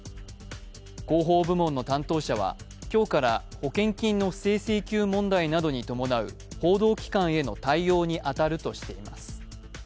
広報部門の担当者は、今日から保険金の不正請求問題などに伴う報道機関への対応に当たるとしています。